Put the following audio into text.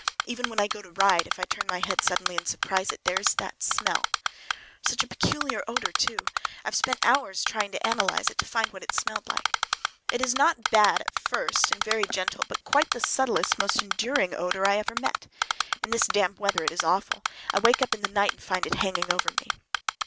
Even when I go to ride, if I turn my head suddenly and surprise it—there is that smell! Such a peculiar odor, too! I have spent hours in trying to analyze it, to find what it smelled like. It is not bad—at first, and very gentle, but quite the subtlest, most enduring odor I ever met. In this damp weather it is awful. I wake up in the night and find it hanging over me.